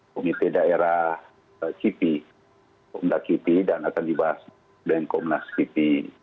komite daerah kipi komda kipi dan akan dibahas dengan komnas kipi